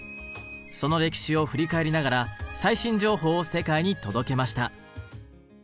その歴史を振り返りながら最新情報を世界に届けました。